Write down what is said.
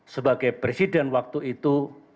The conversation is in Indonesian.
sebagai presiden waktu itu